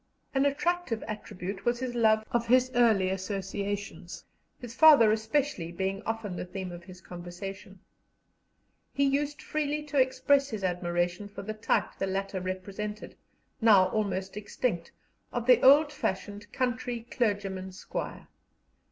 An attractive attribute was his love of his early associations, his father especially being often the theme of his conversation. He used freely to express his admiration for the type the latter represented, now almost extinct, of the old fashioned country clergyman squire.